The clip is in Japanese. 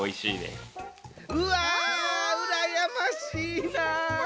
うわうらやましいな！